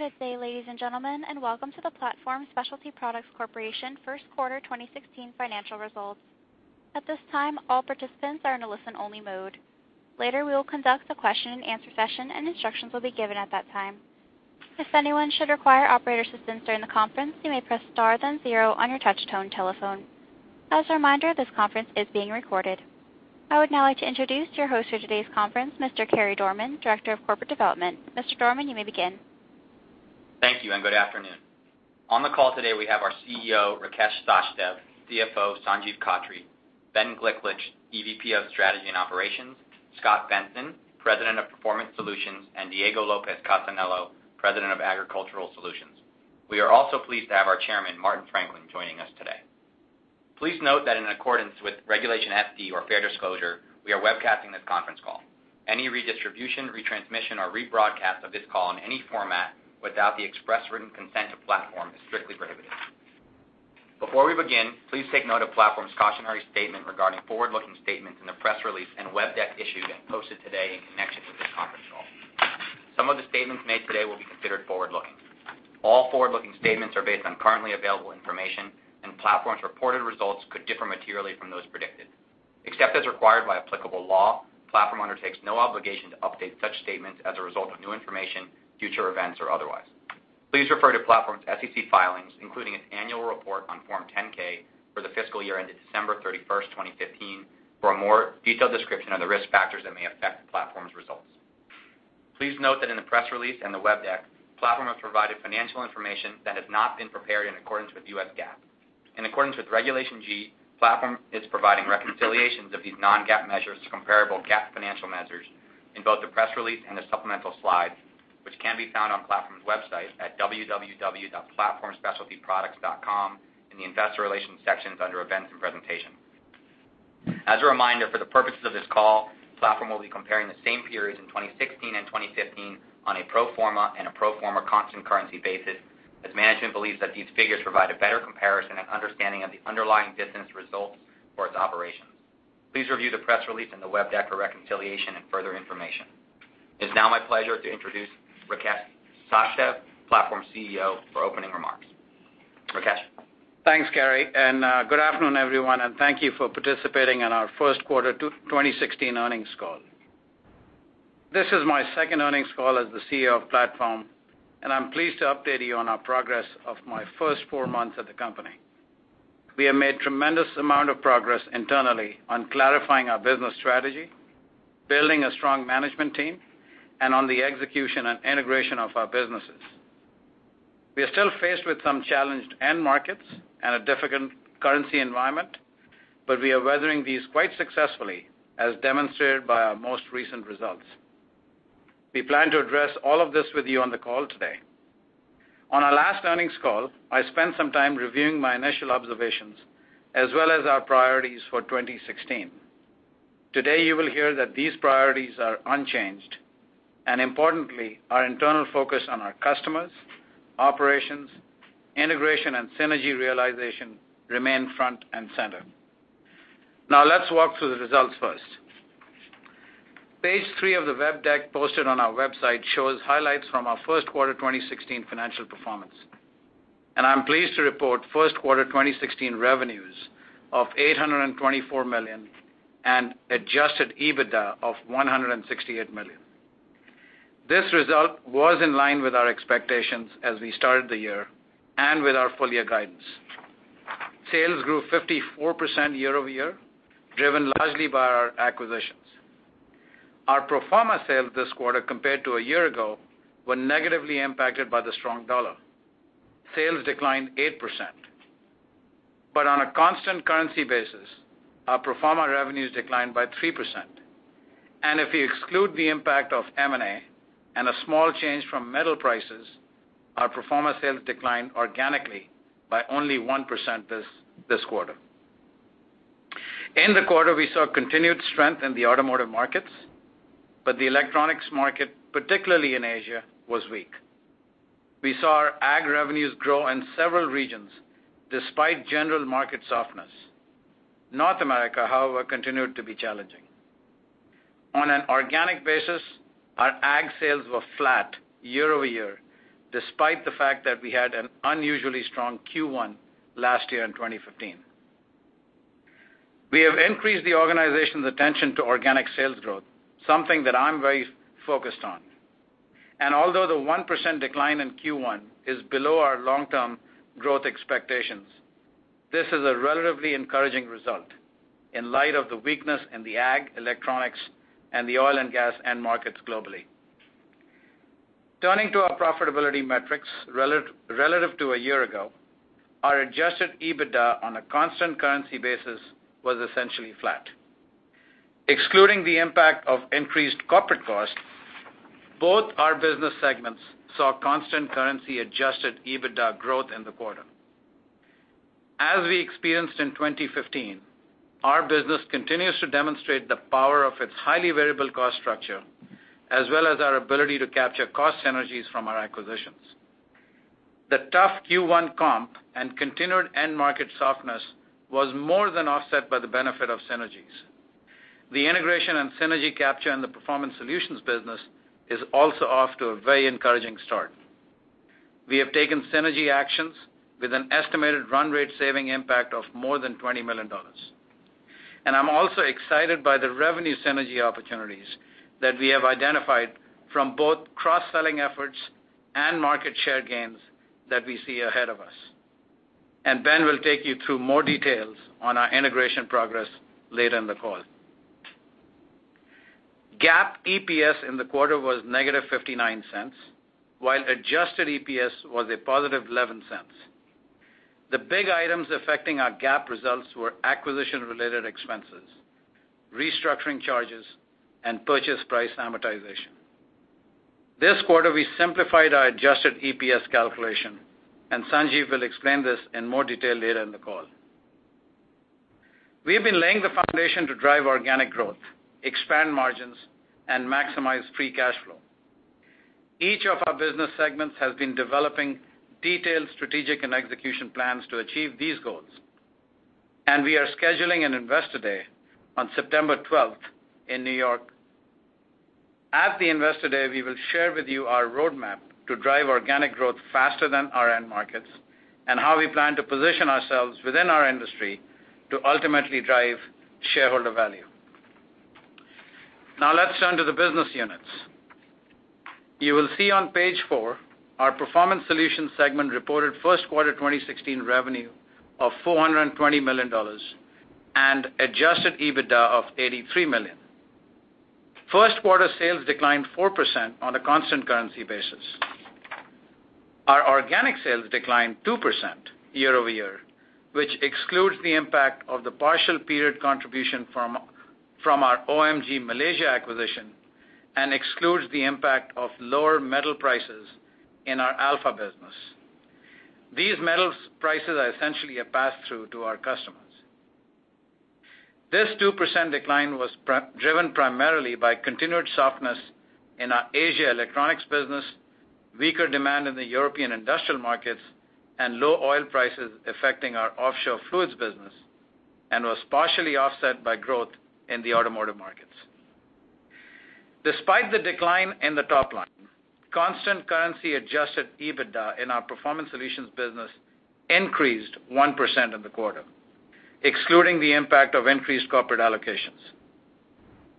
Good day, ladies and gentlemen, welcome to the Platform Specialty Products Corporation first quarter 2016 financial results. At this time, all participants are in a listen-only mode. Later, we will conduct a question and answer session, and instructions will be given at that time. If anyone should require operator assistance during the conference, you may press star then zero on your touch-tone telephone. As a reminder, this conference is being recorded. I would now like to introduce your host for today's conference, Mr. Carey Dorman, Director of Corporate Development. Mr. Dorman, you may begin. Thank you. Good afternoon. On the call today, we have our CEO, Rakesh Sachdev, CFO, Sanjiv Khattri, Ben Gliklich, EVP of Strategy and Operations, Scot Benson, President of Performance Solutions, and Diego Lopez Casanello, President of Agricultural Solutions. We are also pleased to have our Chairman, Martin Franklin, joining us today. Please note that in accordance with Regulation FD, or fair disclosure, we are webcasting this conference call. Any redistribution, retransmission, or rebroadcast of this call in any format without the express written consent of Platform is strictly prohibited. Before we begin, please take note of Platform's cautionary statement regarding forward-looking statements in the press release and web deck issued and posted today in connection with this conference call. Some of the statements made today will be considered forward-looking. All forward-looking statements are based on currently available information, and Platform's reported results could differ materially from those predicted. Except as required by applicable law, Platform undertakes no obligation to update such statements as a result of new information, future events, or otherwise. Please refer to Platform's SEC filings, including its annual report on Form 10-K for the fiscal year ended December 31st, 2015 for a more detailed description of the risk factors that may affect Platform's results. Please note that in the press release and the web deck, Platform has provided financial information that has not been prepared in accordance with US GAAP. In accordance with Regulation G, Platform is providing reconciliations of these non-GAAP measures to comparable GAAP financial measures in both the press release and the supplemental slides, which can be found on Platform's website at www.platformspecialtyproducts.com in the investor relations sections under events and presentations. As a reminder, for the purposes of this call, Platform will be comparing the same periods in 2016 and 2015 on a pro forma and a pro forma constant currency basis, as management believes that these figures provide a better comparison and understanding of the underlying business results for its operations. Please review the press release and the web deck for reconciliation and further information. It's now my pleasure to introduce Rakesh Sachdev, Platform's CEO, for opening remarks. Rakesh? Thanks, Carey, and good afternoon, everyone, and thank you for participating in our first quarter 2016 earnings call. This is my second earnings call as the CEO of Platform, and I'm pleased to update you on our progress of my first four months at the company. We have made tremendous amount of progress internally on clarifying our business strategy, building a strong management team, and on the execution and integration of our businesses. We are still faced with some challenged end markets and a difficult currency environment, but we are weathering these quite successfully, as demonstrated by our most recent results. We plan to address all of this with you on the call today. On our last earnings call, I spent some time reviewing my initial observations as well as our priorities for 2016. Today, you will hear that these priorities are unchanged, and importantly, our internal focus on our customers, operations, integration, and synergy realization remain front and center. Now, let's walk through the results first. Page three of the web deck posted on our website shows highlights from our first quarter 2016 financial performance, and I'm pleased to report first quarter 2016 revenues of $824 million and adjusted EBITDA of $168 million. This result was in line with our expectations as we started the year and with our full year guidance. Sales grew 54% year-over-year, driven largely by our acquisitions. Our pro forma sales this quarter compared to a year ago were negatively impacted by the strong dollar. Sales declined 8%. On a constant currency basis, our pro forma revenues declined by 3%. If you exclude the impact of M&A and a small change from metal prices, our pro forma sales declined organically by only 1% this quarter. In the quarter, we saw continued strength in the automotive markets, but the electronics market, particularly in Asia, was weak. We saw our ag revenues grow in several regions despite general market softness. North America, however, continued to be challenging. On an organic basis, our ag sales were flat year-over-year, despite the fact that we had an unusually strong Q1 last year in 2015. We have increased the organization's attention to organic sales growth, something that I'm very focused on. Although the 1% decline in Q1 is below our long-term growth expectations, this is a relatively encouraging result in light of the weakness in the ag, electronics, and the oil and gas end markets globally. Turning to our profitability metrics relative to a year ago, our adjusted EBITDA on a constant currency basis was essentially flat. Excluding the impact of increased corporate costs, both our business segments saw constant currency adjusted EBITDA growth in the quarter. As we experienced in 2015, our business continues to demonstrate the power of its highly variable cost structure, as well as our ability to capture cost synergies from our acquisitions. The tough Q1 comp and continued end market softness was more than offset by the benefit of synergies. The integration and synergy capture in the Performance Solutions business is also off to a very encouraging start. We have taken synergy actions with an estimated run rate saving impact of more than $20 million. I'm also excited by the revenue synergy opportunities that we have identified from both cross-selling efforts and market share gains that we see ahead of us. Ben will take you through more details on our integration progress later in the call. GAAP EPS in the quarter was negative $0.59, while adjusted EPS was a positive $0.11. The big items affecting our GAAP results were acquisition-related expenses, restructuring charges, and purchase price amortization. This quarter, we simplified our adjusted EPS calculation, Sanjiv will explain this in more detail later in the call. We have been laying the foundation to drive organic growth, expand margins, and maximize free cash flow. Each of our business segments has been developing detailed strategic and execution plans to achieve these goals. We are scheduling an Investor Day on September 12th in New York. At the Investor Day, we will share with you our roadmap to drive organic growth faster than our end markets, how we plan to position ourselves within our industry to ultimately drive shareholder value. Let's turn to the business units. You will see on page four, our Performance Solutions segment reported first quarter 2016 revenue of $420 million and adjusted EBITDA of $83 million. First quarter sales declined 4% on a constant currency basis. Our organic sales declined 2% year-over-year, which excludes the impact of the partial period contribution from our OMG Malaysia acquisition and excludes the impact of lower metal prices in our Alpha business. These metals prices are essentially a pass-through to our customers. This 2% decline was driven primarily by continued softness in our Asia electronics business, weaker demand in the European industrial markets, low oil prices affecting our offshore fluids business, and was partially offset by growth in the automotive markets. Despite the decline in the top line, constant currency adjusted EBITDA in our Performance Solutions business increased 1% in the quarter, excluding the impact of increased corporate allocations.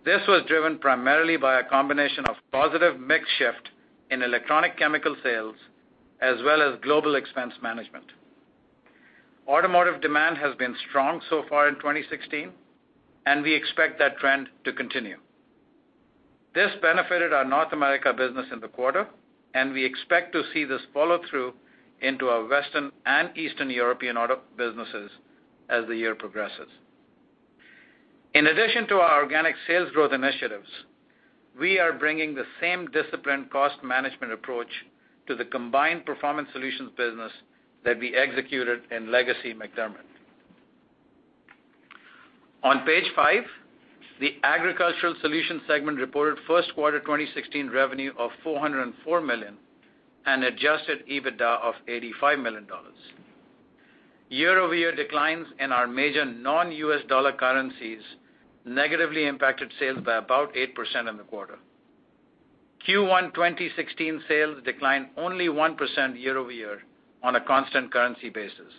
This was driven primarily by a combination of positive mix shift in electronic chemical sales, as well as global expense management. Automotive demand has been strong so far in 2016, we expect that trend to continue. This benefited our North America business in the quarter, we expect to see this follow through into our Western and Eastern European auto businesses as the year progresses. In addition to our organic sales growth initiatives, we are bringing the same disciplined cost management approach to the combined Performance Solutions business that we executed in legacy MacDermid. On page five, the Agricultural Solutions segment reported first quarter 2016 revenue of $404 million and adjusted EBITDA of $85 million. Year-over-year declines in our major non-U.S. dollar currencies negatively impacted sales by about 8% in the quarter. Q1 2016 sales declined only 1% year-over-year on a constant currency basis,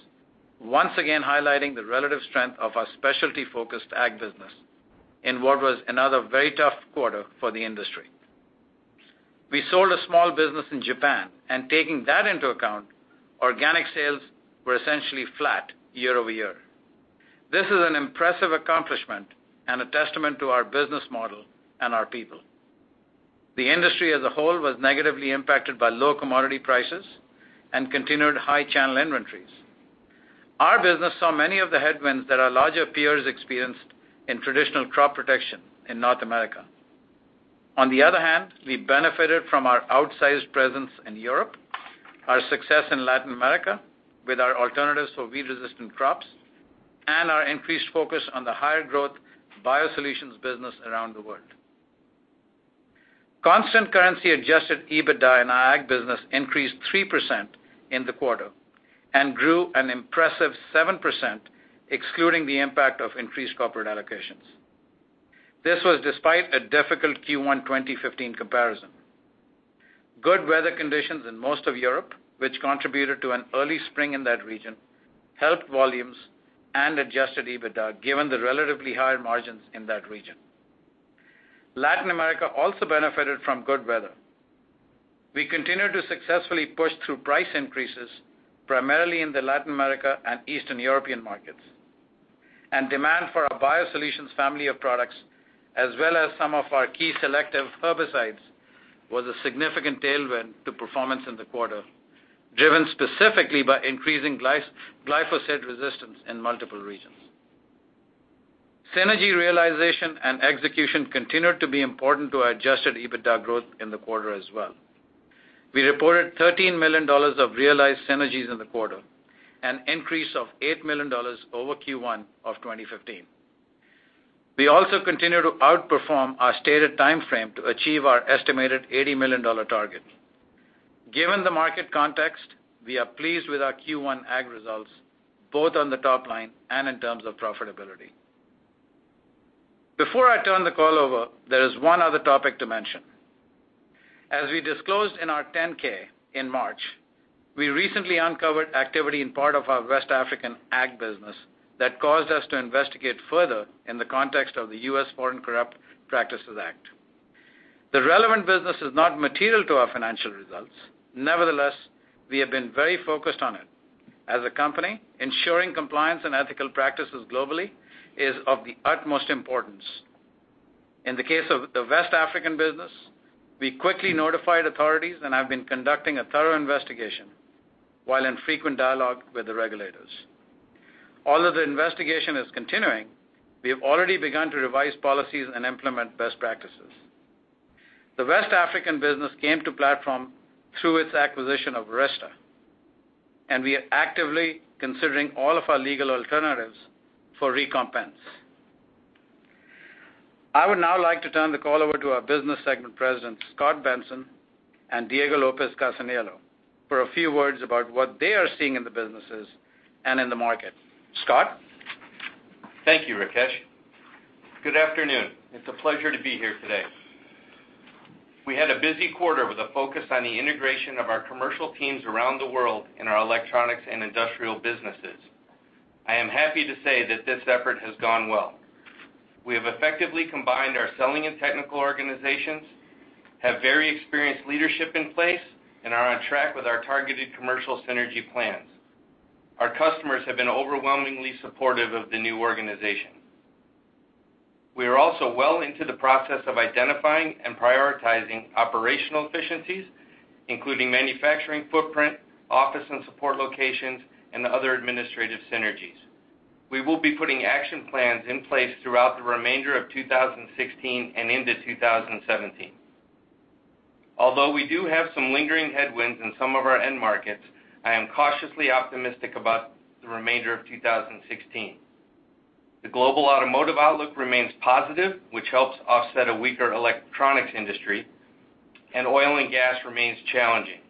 once again highlighting the relative strength of our specialty-focused ag business in what was another very tough quarter for the industry. We sold a small business in Japan, taking that into account, organic sales were essentially flat year-over-year. This is an impressive accomplishment and a testament to our business model and our people. The industry as a whole was negatively impacted by low commodity prices and continued high channel inventories. Our business saw many of the headwinds that our larger peers experienced in traditional crop protection in North America. On the other hand, we benefited from our outsized presence in Europe, our success in Latin America with our alternatives for weed-resistant crops, and our increased focus on the higher growth BioSolutions business around the world. Constant currency adjusted EBITDA in our ag business increased 3% in the quarter and grew an impressive 7%, excluding the impact of increased corporate allocations. This was despite a difficult Q1 2015 comparison. Good weather conditions in most of Europe, which contributed to an early spring in that region, helped volumes and adjusted EBITDA, given the relatively higher margins in that region. Latin America also benefited from good weather. We continued to successfully push through price increases, primarily in the Latin America and Eastern European markets. Demand for our BioSolutions family of products, as well as some of our key selective herbicides, was a significant tailwind to performance in the quarter, driven specifically by increasing glyphosate resistance in multiple regions. Synergy realization and execution continued to be important to our adjusted EBITDA growth in the quarter as well. We reported $13 million of realized synergies in the quarter, an increase of $8 million over Q1 of 2015. We also continue to outperform our stated timeframe to achieve our estimated $80 million target. Given the market context, we are pleased with our Q1 ag results, both on the top line and in terms of profitability. Before I turn the call over, there is one other topic to mention. As we disclosed in our 10-K in March, we recently uncovered activity in part of our West African ag business that caused us to investigate further in the context of the U.S. Foreign Corrupt Practices Act. The relevant business is not material to our financial results. Nevertheless, we have been very focused on it. As a company, ensuring compliance and ethical practices globally is of the utmost importance. In the case of the West African business, we quickly notified authorities and have been conducting a thorough investigation while in frequent dialogue with the regulators. Although the investigation is continuing, we have already begun to revise policies and implement best practices. The West African business came to Platform through its acquisition of Arysta, and we are actively considering all of our legal alternatives for recompense. I would now like to turn the call over to our business segment president, Scot Benson and Diego Lopez Casanello, for a few words about what they are seeing in the businesses and in the market. Scot? Thank you, Rakesh. Good afternoon. It's a pleasure to be here today. We had a busy quarter with a focus on the integration of our commercial teams around the world in our electronics and industrial businesses. I am happy to say that this effort has gone well. We have effectively combined our selling and technical organizations, have very experienced leadership in place, and are on track with our targeted commercial synergy plans. Our customers have been overwhelmingly supportive of the new organization. We are also well into the process of identifying and prioritizing operational efficiencies, including manufacturing footprint, office and support locations, and the other administrative synergies. We will be putting action plans in place throughout the remainder of 2016 and into 2017. Although we do have some lingering headwinds in some of our end markets, I am cautiously optimistic about the remainder of 2016. The global automotive outlook remains positive, which helps offset a weaker electronics industry, and oil and gas remains challenging.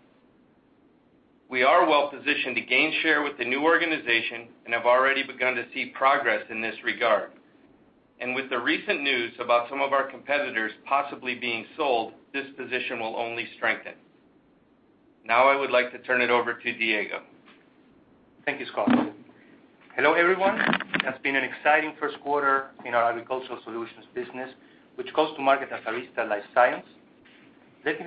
We are well positioned to gain share with the new organization and have already begun to see progress in this regard. With the recent news about some of our competitors possibly being sold, this position will only strengthen. Now I would like to turn it over to Diego. Thank you, Scot. Hello, everyone. It has been an exciting first quarter in our Agricultural Solutions business, which goes to market as Arysta LifeScience. Let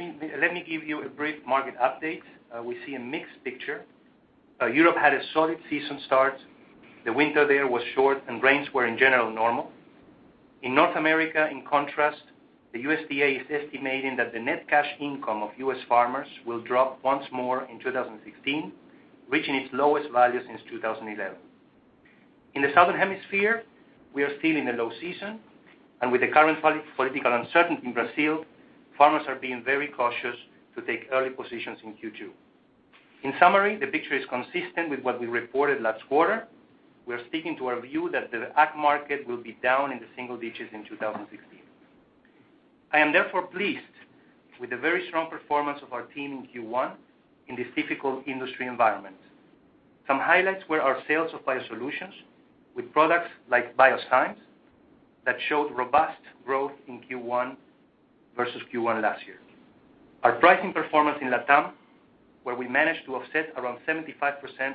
me give you a brief market update. We see a mixed picture. Europe had a solid season start. The winter there was short, and rains were in general normal. In North America, in contrast, the USDA is estimating that the net cash income of U.S. farmers will drop once more in 2016, reaching its lowest value since 2011. In the Southern Hemisphere, we are still in a low season, and with the current political uncertainty in Brazil, farmers are being very cautious to take early positions in Q2. In summary, the picture is consistent with what we reported last quarter. We're sticking to our view that the ag market will be down in the single digits in 2016. I am therefore pleased with the very strong performance of our team in Q1 in this difficult industry environment. Some highlights were our sales of BioSolutions with products like BioSign that showed robust growth in Q1 versus Q1 last year. Our pricing performance in LATAM, where we managed to offset around 75%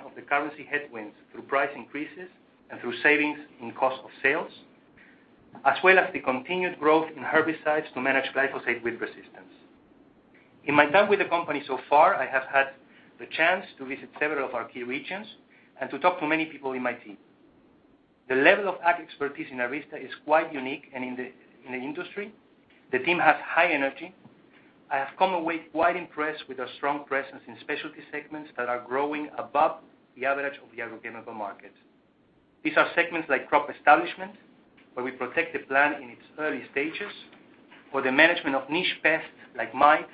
of the currency headwinds through price increases and through savings in cost of sales, as well as the continued growth in herbicides to manage glyphosate with resistance. In my time with the company so far, I have had the chance to visit several of our key regions and to talk to many people in my team. The level of ag expertise in Arysta is quite unique in the industry. The team has high energy. I have come away quite impressed with our strong presence in specialty segments that are growing above the average of the agrochemical market. These are segments like crop establishment, where we protect the plant in its early stages, or the management of niche pests like mites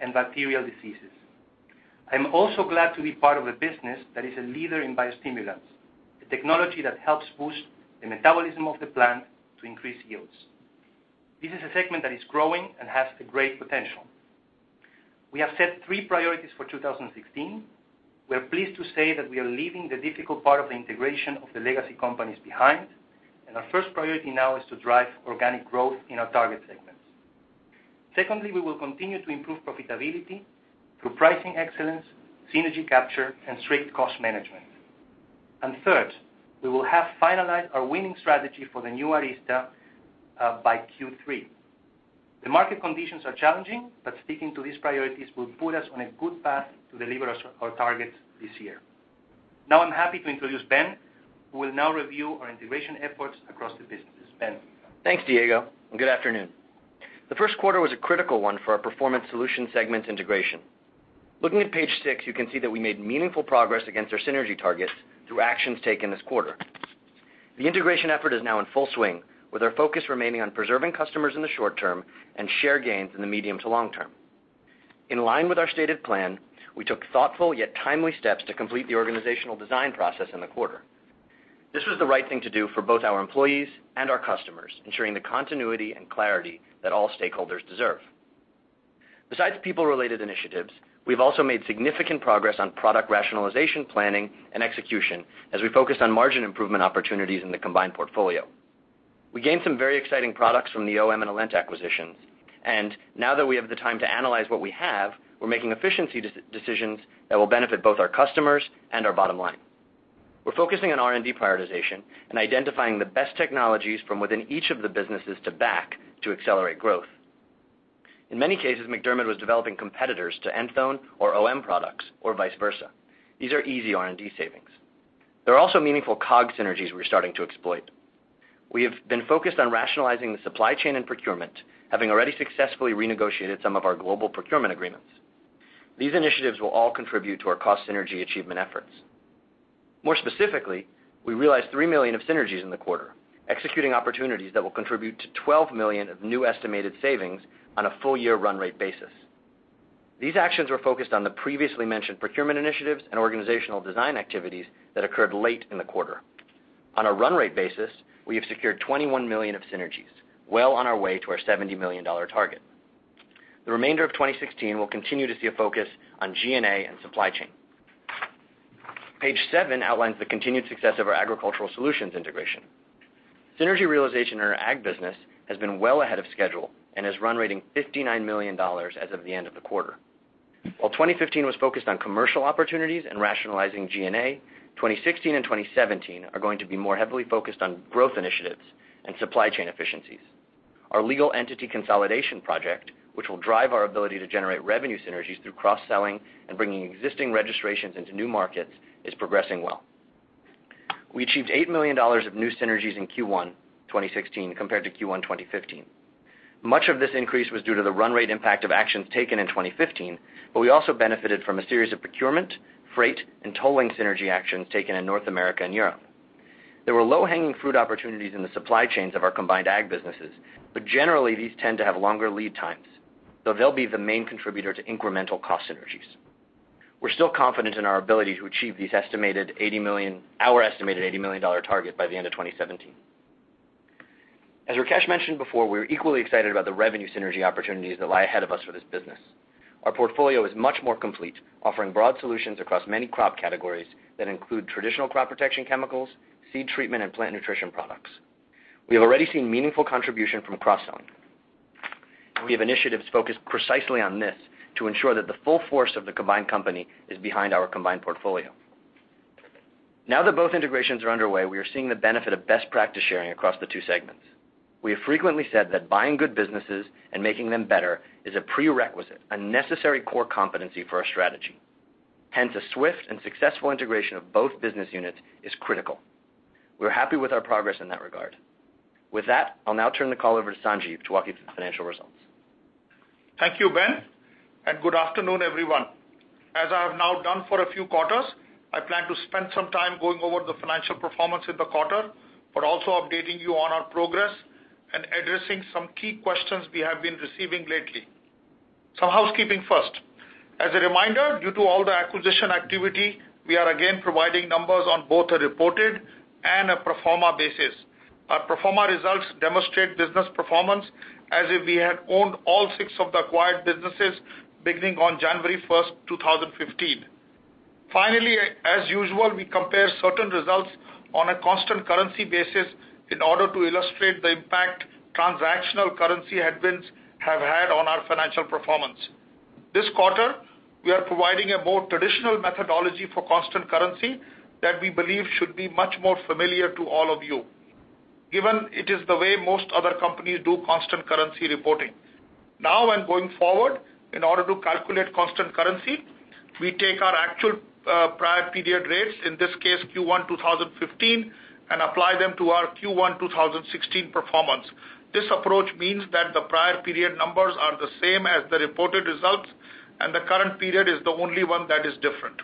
and bacterial diseases. I'm also glad to be part of a business that is a leader in biostimulants, a technology that helps boost the metabolism of the plant to increase yields. This is a segment that is growing and has a great potential. We have set three priorities for 2016. We are pleased to say that we are leaving the difficult part of the integration of the legacy companies behind. Our first priority now is to drive organic growth in our target segments. Secondly, we will continue to improve profitability through pricing excellence, synergy capture, and strict cost management. Third, we will have finalized our winning strategy for the new Arysta by Q3. The market conditions are challenging. Sticking to these priorities will put us on a good path to deliver our targets this year. Now I'm happy to introduce Ben, who will now review our integration efforts across the businesses. Ben? Thanks, Diego, and good afternoon. The first quarter was a critical one for our Performance Solutions segment integration. Looking at page six, you can see that we made meaningful progress against our synergy targets through actions taken this quarter. The integration effort is now in full swing, with our focus remaining on preserving customers in the short term and share gains in the medium to long term. In line with our stated plan, we took thoughtful yet timely steps to complete the organizational design process in the quarter. This was the right thing to do for both our employees and our customers, ensuring the continuity and clarity that all stakeholders deserve. Besides people-related initiatives, we've also made significant progress on product rationalization planning and execution as we focused on margin improvement opportunities in the combined portfolio. We gained some very exciting products from the OM and Alent acquisitions. Now that we have the time to analyze what we have, we're making efficiency decisions that will benefit both our customers and our bottom line. We're focusing on R&D prioritization and identifying the best technologies from within each of the businesses to back to accelerate growth. In many cases, MacDermid was developing competitors to Enthone or OM products or vice versa. These are easy R&D savings. There are also meaningful COGS synergies we're starting to exploit. We have been focused on rationalizing the supply chain and procurement, having already successfully renegotiated some of our global procurement agreements. These initiatives will all contribute to our cost synergy achievement efforts. More specifically, we realized $3 million of synergies in the quarter, executing opportunities that will contribute to $12 million of new estimated savings on a full-year run rate basis. These actions were focused on the previously mentioned procurement initiatives and organizational design activities that occurred late in the quarter. On a run rate basis, we have secured $21 million of synergies, well on our way to our $70 million target. The remainder of 2016 will continue to see a focus on G&A and supply chain. Page seven outlines the continued success of our Agricultural Solutions integration. Synergy realization in our ag business has been well ahead of schedule and is run rating $59 million as of the end of the quarter. While 2015 was focused on commercial opportunities and rationalizing G&A, 2016 and 2017 are going to be more heavily focused on growth initiatives and supply chain efficiencies. Our legal entity consolidation project, which will drive our ability to generate revenue synergies through cross-selling and bringing existing registrations into new markets, is progressing well. We achieved $8 million of new synergies in Q1 2016 compared to Q1 2015. Much of this increase was due to the run rate impact of actions taken in 2015, but we also benefited from a series of procurement, freight, and tolling synergy actions taken in North America and Europe. There were low-hanging fruit opportunities in the supply chains of our combined ag businesses, but generally, these tend to have longer lead times, so they'll be the main contributor to incremental cost synergies. We're still confident in our ability to achieve our estimated $80 million target by the end of 2017. As Rakesh mentioned before, we are equally excited about the revenue synergy opportunities that lie ahead of us for this business. Our portfolio is much more complete, offering broad solutions across many crop categories that include traditional crop protection chemicals, seed treatment, and plant nutrition products. We have already seen meaningful contribution from cross-selling. We have initiatives focused precisely on this to ensure that the full force of the combined company is behind our combined portfolio. Now that both integrations are underway, we are seeing the benefit of best practice sharing across the two segments. We have frequently said that buying good businesses and making them better is a prerequisite, a necessary core competency for our strategy. Hence, a swift and successful integration of both business units is critical. We're happy with our progress in that regard. With that, I'll now turn the call over to Sanjiv to walk you through the financial results. Thank you, Ben, good afternoon, everyone. As I have now done for a few quarters, I plan to spend some time going over the financial performance in the quarter, but also updating you on our progress and addressing some key questions we have been receiving lately. Some housekeeping first. As a reminder, due to all the acquisition activity, we are again providing numbers on both a reported and a pro forma basis. Our pro forma results demonstrate business performance as if we had owned all six of the acquired businesses beginning on January 1st, 2015. Finally, as usual, we compare certain results on a constant currency basis in order to illustrate the impact transactional currency headwinds have had on our financial performance. This quarter, we are providing a more traditional methodology for constant currency that we believe should be much more familiar to all of you, given it is the way most other companies do constant currency reporting. When going forward, in order to calculate constant currency, we take our actual prior period rates, in this case, Q1 2015, and apply them to our Q1 2016 performance. This approach means that the prior period numbers are the same as the reported results, and the current period is the only one that is different.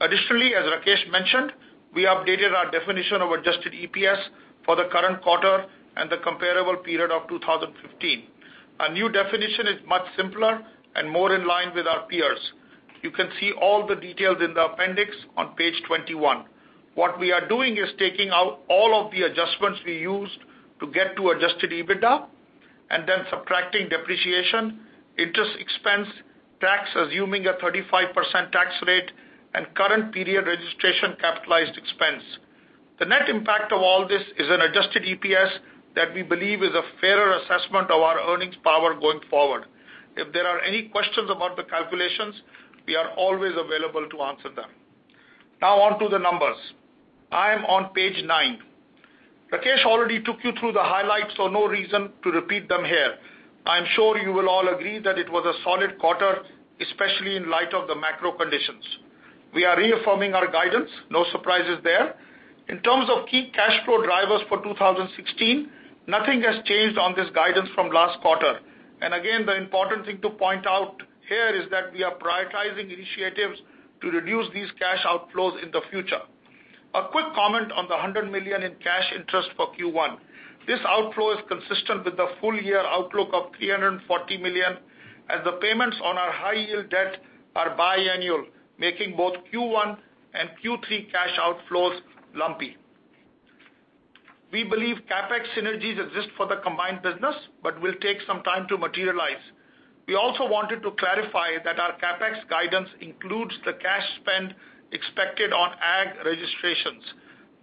Additionally, as Rakesh mentioned, we updated our definition of adjusted EPS for the current quarter and the comparable period of 2015. A new definition is much simpler and more in line with our peers. You can see all the details in the appendix on page 21. What we are doing is taking out all of the adjustments we used to get to adjusted EBITDA and then subtracting depreciation, interest expense, tax, assuming a 35% tax rate, and current period registration capitalized expense. The net impact of all this is an adjusted EPS that we believe is a fairer assessment of our earnings power going forward. If there are any questions about the calculations, we are always available to answer them. On to the numbers. I am on page nine. Rakesh already took you through the highlights, so no reason to repeat them here. I am sure you will all agree that it was a solid quarter, especially in light of the macro conditions. We are reaffirming our guidance. No surprises there. In terms of key cash flow drivers for 2016, nothing has changed on this guidance from last quarter. Again, the important thing to point out here is that we are prioritizing initiatives to reduce these cash outflows in the future. A quick comment on the $100 million in cash interest for Q1. This outflow is consistent with the full year outlook of $340 million, as the payments on our high-yield debt are biannual, making both Q1 and Q3 cash outflows lumpy. We believe CapEx synergies exist for the combined business but will take some time to materialize. We also wanted to clarify that our CapEx guidance includes the cash spend expected on ag registrations.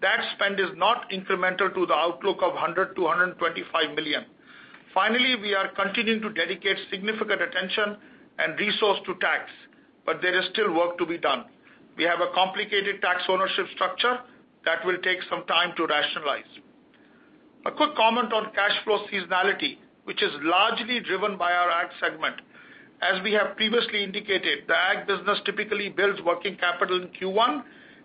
That spend is not incremental to the outlook of $100 million-$125 million. Finally, we are continuing to dedicate significant attention and resource to tax, but there is still work to be done. We have a complicated tax ownership structure that will take some time to rationalize. A quick comment on cash flow seasonality, which is largely driven by our ag segment. As we have previously indicated, the ag business typically builds working capital in Q1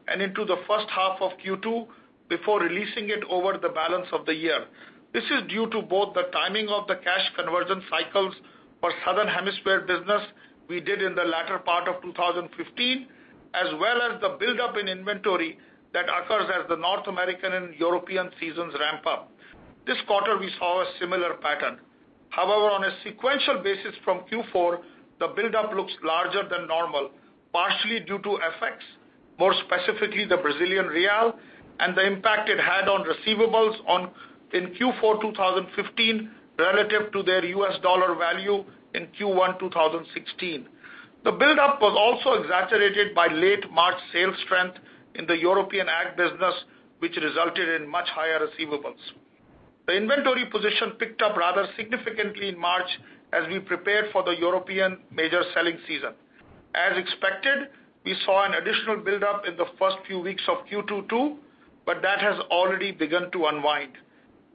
and into the first half of Q2 before releasing it over the balance of the year. This is due to both the timing of the cash conversion cycles for Southern Hemisphere business we did in the latter part of 2015, as well as the buildup in inventory that occurs as the North American and European seasons ramp up. This quarter, we saw a similar pattern. However, on a sequential basis from Q4, the buildup looks larger than normal, partially due to FX, more specifically, the Brazilian real and the impact it had on receivables in Q4 2015 relative to their U.S. dollar value in Q1 2016. The buildup was also exaggerated by late March sales strength in the European ag business, which resulted in much higher receivables. The inventory position picked up rather significantly in March as we prepared for the European major selling season. As expected, we saw an additional buildup in the first few weeks of Q2, too, but that has already begun to unwind.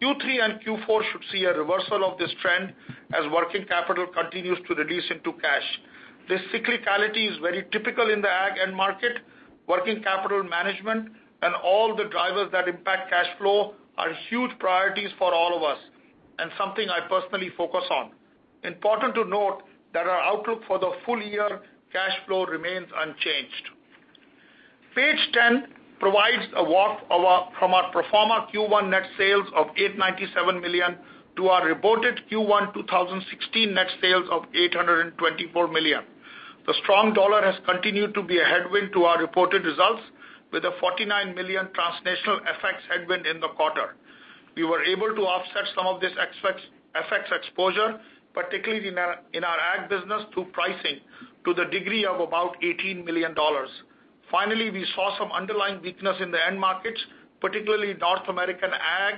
Q3 and Q4 should see a reversal of this trend as working capital continues to reduce into cash. This cyclicality is very typical in the ag end market. Working capital management and all the drivers that impact cash flow are huge priorities for all of us and something I personally focus on. Important to note that our outlook for the full year cash flow remains unchanged. Page 10 provides a walk from our pro forma Q1 net sales of $897 million to our reported Q1 2016 net sales of $824 million. The strong dollar has continued to be a headwind to our reported results, with a $49 million transnational FX headwind in the quarter. We were able to offset some of this FX exposure, particularly in our ag business, through pricing to the degree of about $18 million. Finally, we saw some underlying weakness in the end markets, particularly North American ag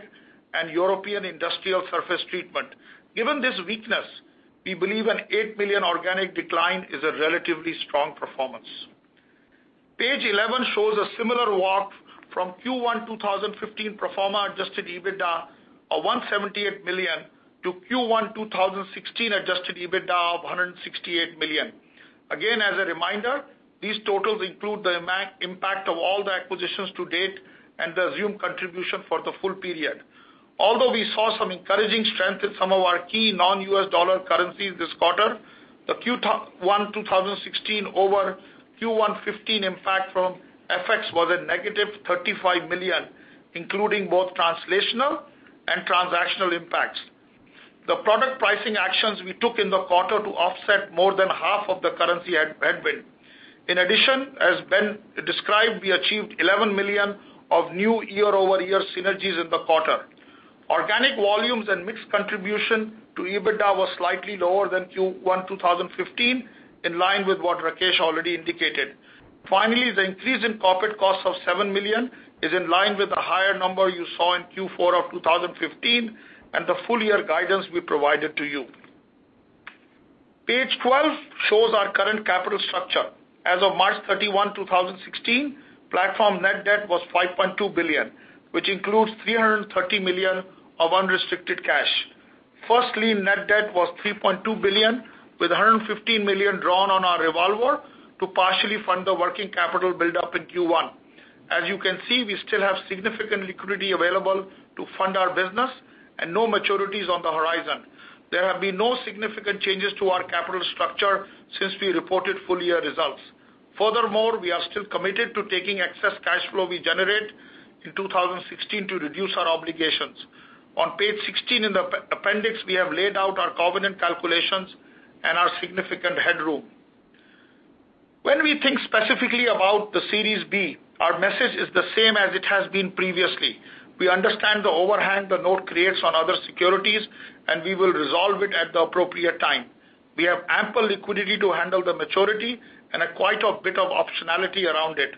and European industrial surface treatment. Given this weakness, we believe an $8 million organic decline is a relatively strong performance. Page 11 shows a similar walk from Q1 2015 pro forma adjusted EBITDA of $178 million to Q1 2016 adjusted EBITDA of $168 million. As a reminder, these totals include the impact of all the acquisitions to date and the assumed contribution for the full period. Although we saw some encouraging strength in some of our key non-U.S. dollar currencies this quarter, the Q1 2016 over Q1 2015 impact from FX was a negative $35 million, including both translational and transactional impacts. The product pricing actions we took in the quarter to offset more than half of the currency headwind. In addition, as Ben Gliklich described, we achieved $11 million of new year-over-year synergies in the quarter. Organic volumes and mix contribution to EBITDA was slightly lower than Q1 2015, in line with what Rakesh Sachdev already indicated. Finally, the increase in corporate costs of $7 million is in line with the higher number you saw in Q4 of 2015 and the full-year guidance we provided to you. Page 12 shows our current capital structure. As of March 31, 2016, Platform net debt was $5.2 billion, which includes $330 million of unrestricted cash. Firstly, net debt was $3.2 billion, with $115 million drawn on our revolver to partially fund the working capital buildup in Q1. As you can see, we still have significant liquidity available to fund our business and no maturities on the horizon. There have been no significant changes to our capital structure since we reported full-year results. Furthermore, we are still committed to taking excess cash flow we generate in 2016 to reduce our obligations. On page 16 in the appendix, we have laid out our covenant calculations and our significant headroom. When we think specifically about the Series B, our message is the same as it has been previously. We understand the overhang the note creates on other securities, and we will resolve it at the appropriate time. We have ample liquidity to handle the maturity and quite a bit of optionality around it.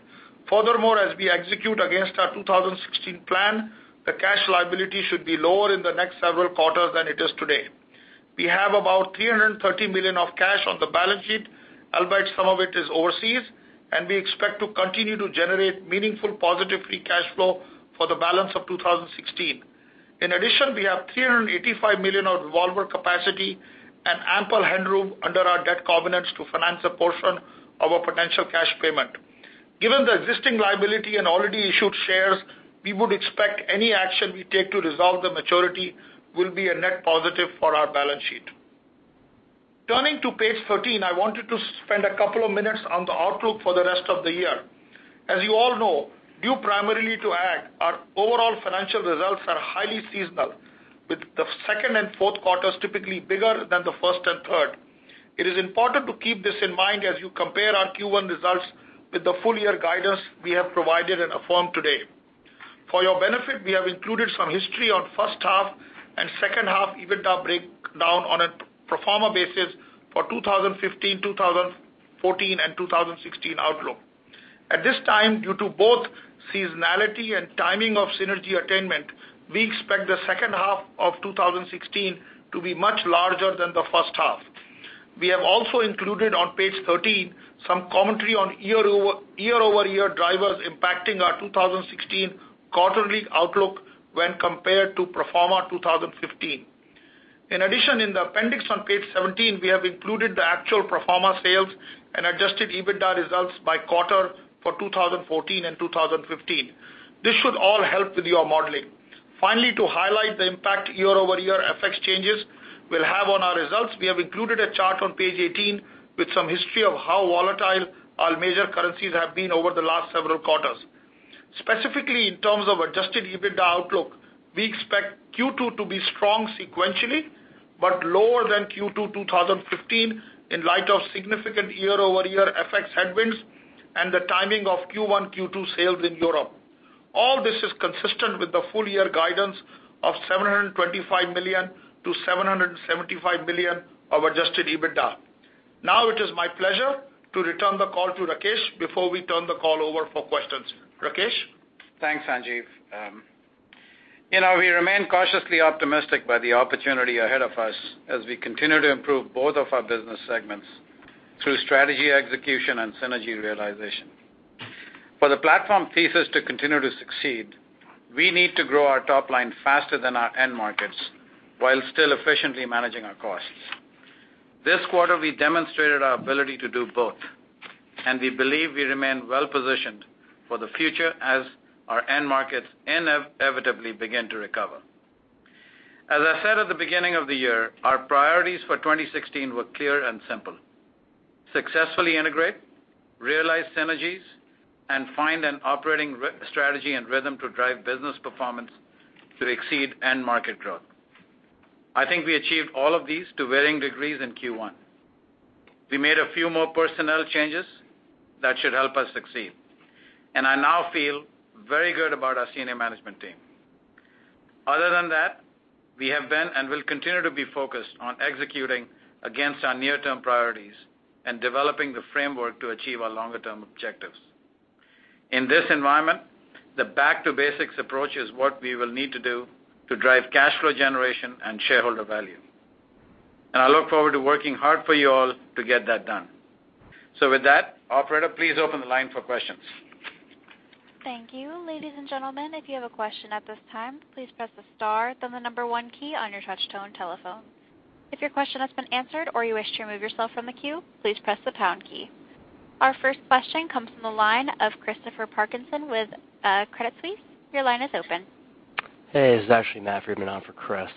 Furthermore, as we execute against our 2016 plan, the cash liability should be lower in the next several quarters than it is today. We have about $330 million of cash on the balance sheet, albeit some of it is overseas, and we expect to continue to generate meaningful positive free cash flow for the balance of 2016. In addition, we have $385 million of revolver capacity and ample headroom under our debt covenants to finance a portion of a potential cash payment. Given the existing liability and already issued shares, we would expect any action we take to resolve the maturity will be a net positive for our balance sheet. Turning to page 13, I wanted to spend a couple of minutes on the outlook for the rest of the year. As you all know, due primarily to Ag, our overall financial results are highly seasonal, with the second and fourth quarters typically bigger than the first and third. It is important to keep this in mind as you compare our Q1 results with the full year guidance we have provided and affirmed today. For your benefit, we have included some history on first half and second half EBITDA breakdown on a pro forma basis for 2015, 2014, and 2016 outlook. At this time, due to both seasonality and timing of synergy attainment, we expect the second half of 2016 to be much larger than the first half. We have also included on page 13 some commentary on year-over-year drivers impacting our 2016 quarterly outlook when compared to pro forma 2015. In addition, in the appendix on page 17, we have included the actual pro forma sales and adjusted EBITDA results by quarter for 2014 and 2015. This should all help with your modeling. Finally, to highlight the impact year-over-year FX changes will have on our results, we have included a chart on page 18 with some history of how volatile our major currencies have been over the last several quarters. Specifically in terms of adjusted EBITDA outlook, we expect Q2 to be strong sequentially, but lower than Q2 2015 in light of significant year-over-year FX headwinds and the timing of Q1/Q2 sales in Europe. All this is consistent with the full year guidance of $725 million-$775 million of adjusted EBITDA. Now it is my pleasure to return the call to Rakesh before we turn the call over for questions. Rakesh? Thanks, Sanjiv. We remain cautiously optimistic by the opportunity ahead of us as we continue to improve both of our business segments through strategy, execution, and synergy realization. For the Platform thesis to continue to succeed, we need to grow our top line faster than our end markets while still efficiently managing our costs. This quarter, we demonstrated our ability to do both, and we believe we remain well positioned for the future as our end markets inevitably begin to recover. As I said at the beginning of the year, our priorities for 2016 were clear and simple: successfully integrate, realize synergies, and find an operating strategy and rhythm to drive business performance to exceed end market growth. I think we achieved all of these to varying degrees in Q1. We made a few more personnel changes that should help us succeed, and I now feel very good about our senior management team. Other than that, we have been and will continue to be focused on executing against our near-term priorities and developing the framework to achieve our longer-term objectives. In this environment, the back-to-basics approach is what we will need to do to drive cash flow generation and shareholder value. I look forward to working hard for you all to get that done. With that, operator, please open the line for questions. Thank you. Ladies and gentlemen, if you have a question at this time, please press the star, then the number one key on your touch-tone telephone. If your question has been answered or you wish to remove yourself from the queue, please press the pound key. Our first question comes from the line of Christopher Parkinson with Credit Suisse. Your line is open. Hey, this is actually Matt Friedman on for Chris.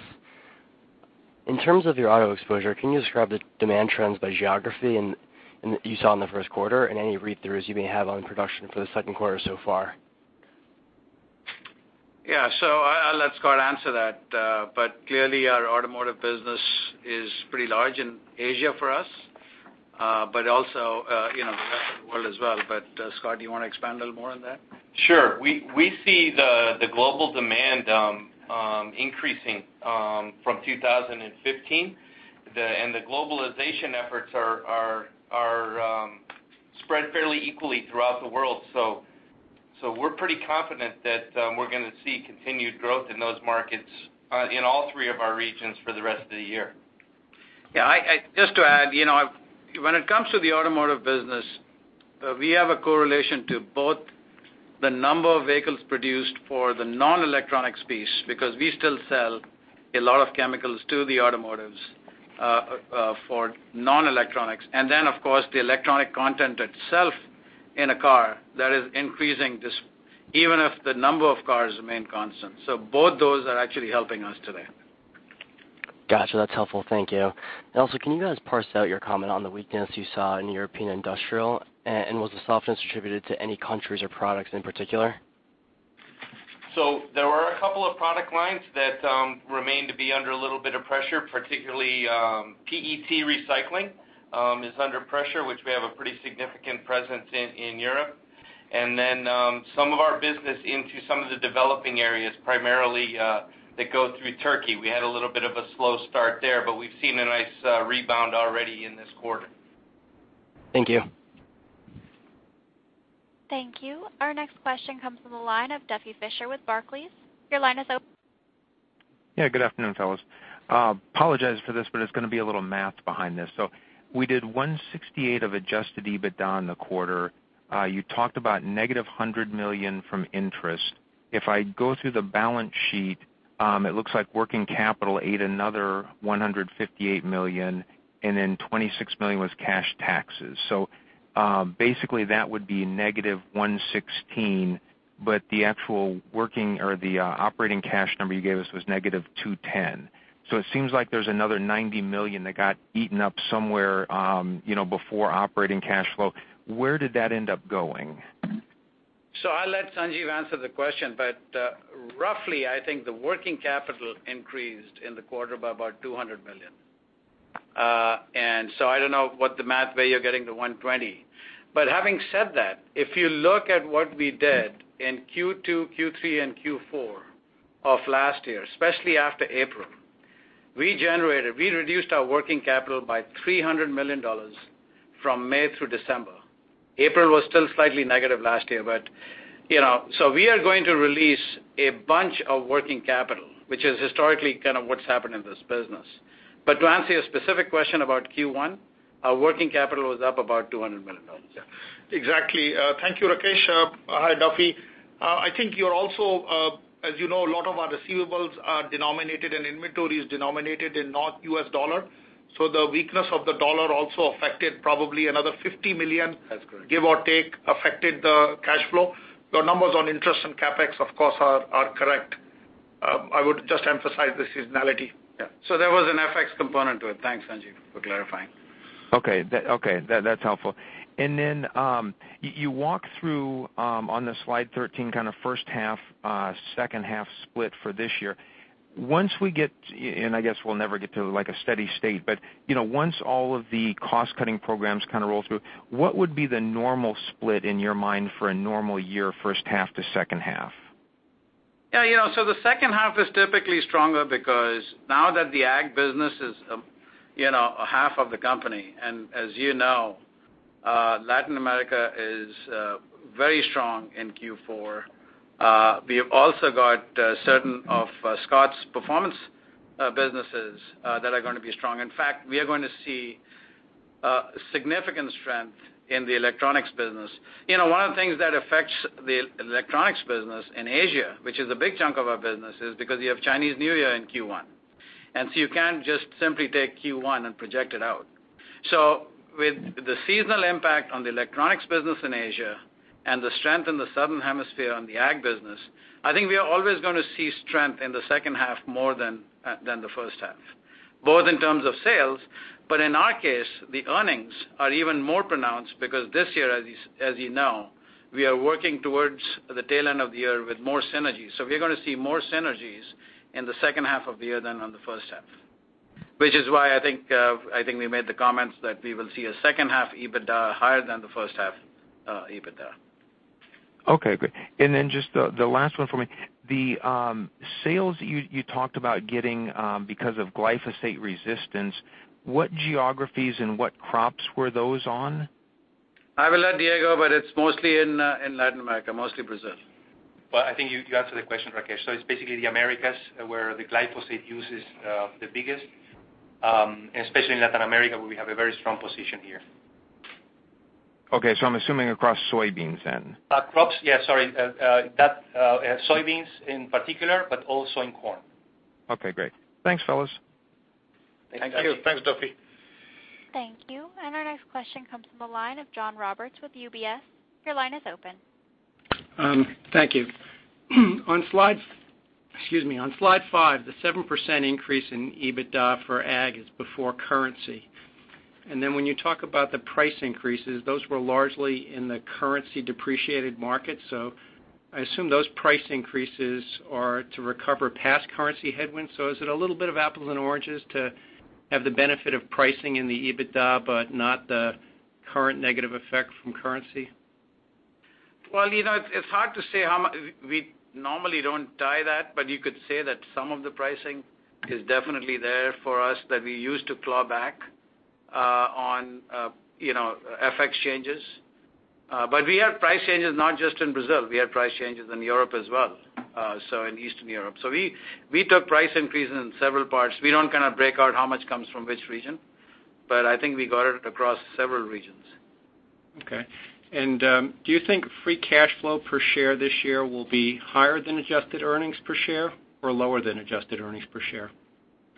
In terms of your auto exposure, can you describe the demand trends by geography you saw in the first quarter and any read-throughs you may have on production for the second quarter so far? Yeah. I'll let Scot answer that. Clearly our automotive business is pretty large in Asia for us, but also the rest of the world as well. Scot, do you want to expand a little more on that? Sure. We see the global demand increasing from 2015. The globalization efforts are spread fairly equally throughout the world. We're pretty confident that we're going to see continued growth in those markets in all three of our regions for the rest of the year. Yeah. Just to add, when it comes to the automotive business, we have a correlation to both the number of vehicles produced for the non-electronics piece, because we still sell a lot of chemicals to the automotives for non-electronics. Then, of course, the electronic content itself in a car that is increasing even if the number of cars remain constant. Both those are actually helping us today. Got you. That's helpful. Thank you. Also, can you guys parse out your comment on the weakness you saw in European industrial? Was the softness attributed to any countries or products in particular? There were a couple of product lines that remain to be under a little bit of pressure, particularly PET recycling is under pressure, which we have a pretty significant presence in Europe. Then some of our business into some of the developing areas, primarily that go through Turkey. We had a little bit of a slow start there, but we've seen a nice rebound already in this quarter. Thank you. Thank you. Our next question comes from the line of Duffy Fischer with Barclays. Your line is open. Good afternoon, fellas. Apologize for this, but it's going to be a little math behind this. We did 168 of adjusted EBITDA in the quarter. You talked about -$100 million from interest If I go through the balance sheet, it looks like working capital ate another $158 million, and then $26 million was cash taxes. Basically, that would be -$116, the actual working or the operating cash number you gave us was -$210. It seems like there's another $90 million that got eaten up somewhere before operating cash flow. Where did that end up going? I'll let Sanjiv answer the question, but roughly, I think the working capital increased in the quarter by about $200 million. I don't know what the math way you're getting the 120. Having said that, if you look at what we did in Q2, Q3, and Q4 of last year, especially after April, we reduced our working capital by $300 million from May through December. April was still slightly negative last year. We are going to release a bunch of working capital, which is historically kind of what's happened in this business. To answer your specific question about Q1, our working capital was up about $200 million. Yeah. Exactly. Thank you, Rakesh. Hi, Duffy. I think you're also, as you know, a lot of our receivables are denominated and inventory is denominated in not U.S. dollar. The weakness of the dollar also affected probably another $50 million- That's correct give or take, affected the cash flow. The numbers on interest and CapEx, of course, are correct. I would just emphasize the seasonality. Yeah. There was an FX component to it. Thanks, Sanjiv, for clarifying. Okay. That's helpful. You walk through, on the slide 13, kind of first half, second half split for this year. Once we get, and I guess we'll never get to a steady state, but once all of the cost-cutting programs kind of roll through, what would be the normal split in your mind for a normal year, first half to second half? Yeah. The second half is typically stronger because now that the ag business is half of the company, and as you know, Latin America is very strong in Q4. We have also got certain of Scot's performance businesses that are going to be strong. In fact, we are going to see significant strength in the electronics business. One of the things that affects the electronics business in Asia, which is a big chunk of our business, is because you have Chinese New Year in Q1, you can't just simply take Q1 and project it out. With the seasonal impact on the electronics business in Asia and the strength in the Southern Hemisphere on the ag business, I think we are always going to see strength in the second half more than the first half, both in terms of sales. In our case, the earnings are even more pronounced because this year, as you know, we are working towards the tail end of the year with more synergies. We're going to see more synergies in the second half of the year than on the first half, which is why I think we made the comments that we will see a second half EBITDA higher than the first half EBITDA. Okay, great. Just the last one for me, the sales you talked about getting because of glyphosate resistance, what geographies and what crops were those on? I will let Diego, it's mostly in Latin America, mostly Brazil. Well, I think you answered the question, Rakesh. It's basically the Americas where the glyphosate use is the biggest, especially in Latin America, where we have a very strong position here. Okay. I'm assuming across soybeans then. Crops. Yeah, sorry. Soybeans in particular, but also in corn. Okay, great. Thanks, fellas. Thank you. Thanks, Duffy. Thank you. Our next question comes from the line of John Roberts with UBS. Your line is open. Thank you. On slide five, the 7% increase in EBITDA for ag is before currency. When you talk about the price increases, those were largely in the currency depreciated market. I assume those price increases are to recover past currency headwinds. Is it a little bit of apples and oranges to have the benefit of pricing in the EBITDA but not the current negative effect from currency? Well, it's hard to say how much. We normally don't tie that, but you could say that some of the pricing is definitely there for us that we use to claw back on FX changes. We have price changes not just in Brazil. We have price changes in Europe as well, so in Eastern Europe. We took price increases in several parts. We don't kind of break out how much comes from which region, but I think we got it across several regions. Okay. Do you think free cash flow per share this year will be higher than adjusted earnings per share or lower than adjusted earnings per share?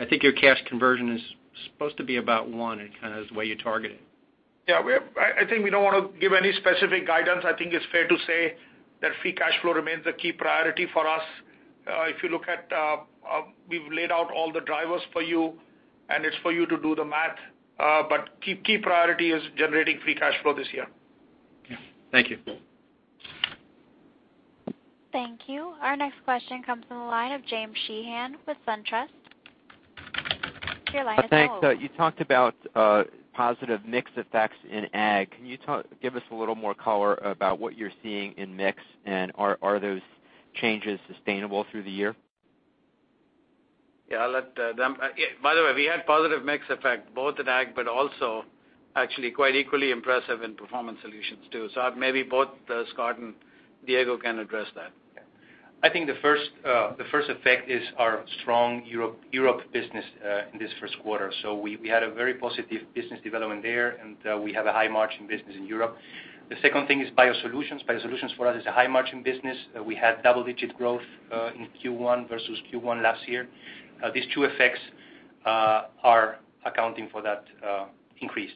I think your cash conversion is supposed to be about one and kind of is the way you target it. Yeah. I think we don't want to give any specific guidance. I think it's fair to say that free cash flow remains a key priority for us. If you look at, we've laid out all the drivers for you, and it's for you to do the math. Key priority is generating free cash flow this year. Okay. Thank you. Thank you. Our next question comes from the line of James Sheehan with SunTrust. Your line is open. Thanks. You talked about positive mix effects in ag. Can you give us a little more color about what you're seeing in mix, and are those changes sustainable through the year? Yeah. By the way, we had positive mix effect both in ag but also actually quite equally impressive in Performance Solutions too. Maybe both Scot and Diego can address that. I think the first effect is our strong Europe business in this first quarter. We had a very positive business development there, and we have a high margin business in Europe. The second thing is BioSolutions. BioSolutions for us is a high-margin business. We had double-digit growth in Q1 versus Q1 last year. These two effects are accounting for that increase.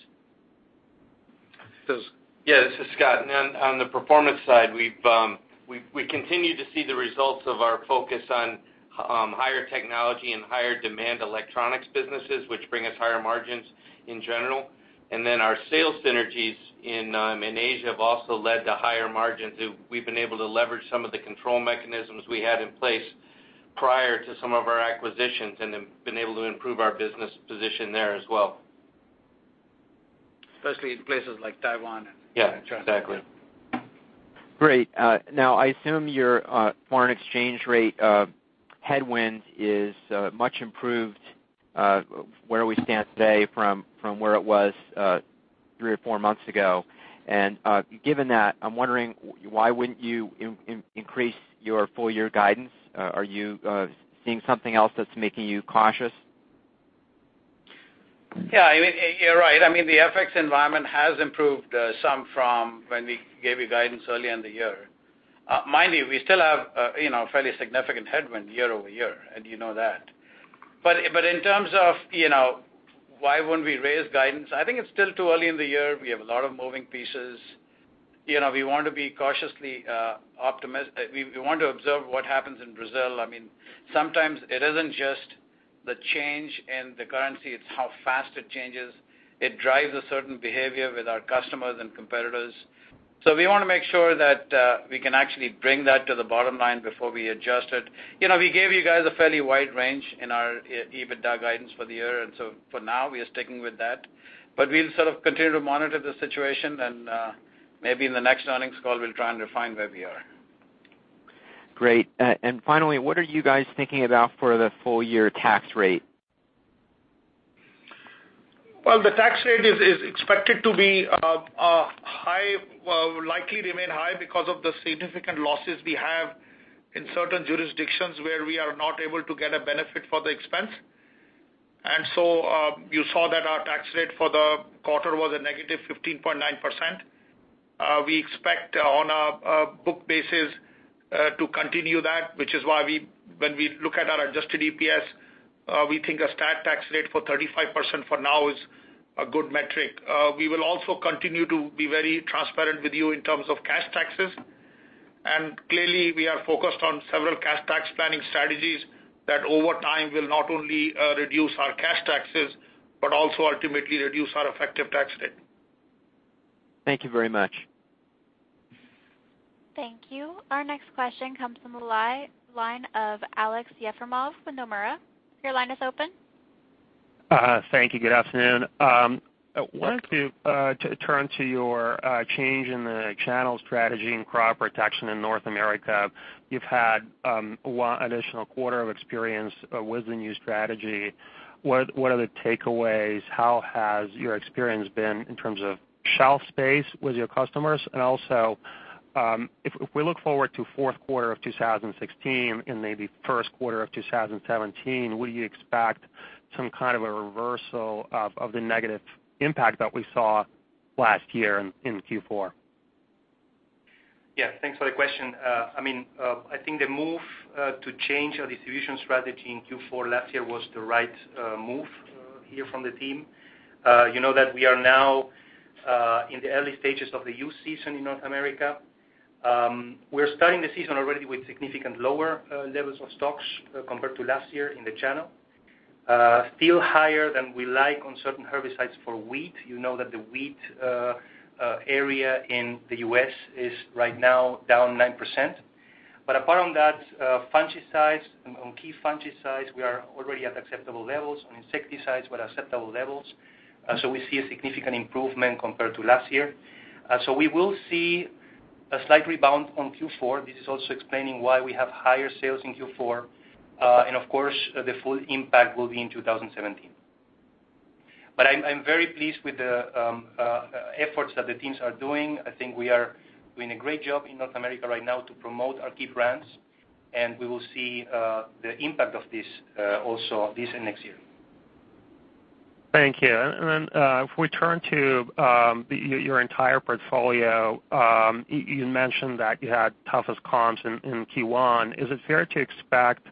Yes, this is Scot. On the performance side, we continue to see the results of our focus on higher technology and higher demand electronics businesses, which bring us higher margins in general. Our sales synergies in Asia have also led to higher margins. We've been able to leverage some of the control mechanisms we had in place prior to some of our acquisitions and then been able to improve our business position there as well. Especially in places like Taiwan and China. Yeah, exactly. Great. I assume your foreign exchange rate headwind is much improved where we stand today from where it was three or four months ago. Given that, I'm wondering why wouldn't you increase your full-year guidance? Are you seeing something else that's making you cautious? Yeah, you're right. The FX environment has improved some from when we gave you guidance earlier in the year. Mind you, we still have a fairly significant headwind year-over-year, and you know that. In terms of why wouldn't we raise guidance, I think it's still too early in the year. We have a lot of moving pieces. We want to observe what happens in Brazil. Sometimes it isn't just the change in the currency, it's how fast it changes. It drives a certain behavior with our customers and competitors. We want to make sure that we can actually bring that to the bottom line before we adjust it. We gave you guys a fairly wide range in our EBITDA guidance for the year, for now, we are sticking with that. We'll sort of continue to monitor the situation and maybe in the next earnings call, we'll try and refine where we are. Great. Finally, what are you guys thinking about for the full-year tax rate? Well, the tax rate is expected to likely remain high because of the significant losses we have in certain jurisdictions where we are not able to get a benefit for the expense. You saw that our tax rate for the quarter was a negative 15.9%. We expect on a book basis to continue that, which is why when we look at our adjusted EPS, we think a stat tax rate for 35% for now is a good metric. We will also continue to be very transparent with you in terms of cash taxes. Clearly, we are focused on several cash tax planning strategies that over time will not only reduce our cash taxes, but also ultimately reduce our effective tax rate. Thank you very much. Thank you. Our next question comes from the line of Alek Jevremov with Nomura. Your line is open. Thank you. Good afternoon. I wanted to turn to your change in the channel strategy and crop protection in North America. You've had one additional quarter of experience with the new strategy. What are the takeaways? How has your experience been in terms of shelf space with your customers? If we look forward to fourth quarter of 2016 and maybe first quarter of 2017, will you expect some kind of a reversal of the negative impact that we saw last year in Q4? Yeah. Thanks for the question. I think the move to change our distribution strategy in Q4 last year was the right move here from the team. You know that we are now in the early stages of the use season in North America. We're starting the season already with significantly lower levels of stocks compared to last year in the channel. Still higher than we like on certain herbicides for wheat. You know that the wheat area in the U.S. is right now down 9%. Apart from that, fungicides and key fungicides, we are already at acceptable levels, on insecticides, we're at acceptable levels. We see a significant improvement compared to last year. We will see a slight rebound on Q4. This is also explaining why we have higher sales in Q4. Of course, the full impact will be in 2017. I'm very pleased with the efforts that the teams are doing. I think we are doing a great job in North America right now to promote our key brands, and we will see the impact of this also this and next year. Thank you. If we turn to your entire portfolio, you mentioned that you had toughest comps in Q1. Is it fair to expect